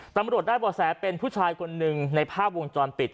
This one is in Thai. ตำรวจได้บ่อแสเป็นผู้ชายคนหนึ่งในภาพวงจรปิด